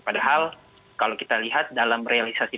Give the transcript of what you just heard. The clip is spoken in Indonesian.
padahal kalau kita lihat dalam realisasi